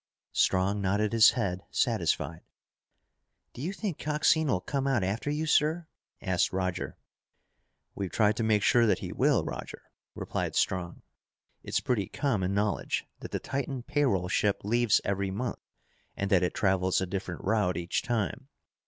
Strong nodded his head, satisfied. "Do you think Coxine will come out after you, sir?" asked Roger. "We've tried to make sure that he will, Roger," replied Strong. "It's pretty common knowledge that the Titan pay roll ship leaves every month, and that it travels a different route each time.